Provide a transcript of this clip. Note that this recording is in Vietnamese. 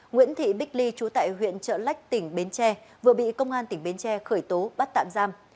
nguyễn thị bích ly trú tại huyện trợ lách tỉnh bến tre vừa bị công an tỉnh bến tre khởi tố bắt tạm giam